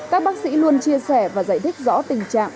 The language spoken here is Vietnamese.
các bác sĩ luôn chia sẻ và giải thích rõ tình trạng